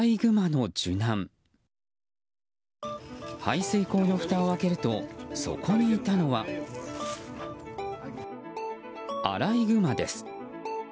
排水溝のふたを開けるとそこにいたのは、アライグマです。